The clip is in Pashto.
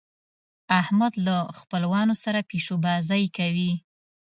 احمد له خپلوانو سره پيشو بازۍ کوي.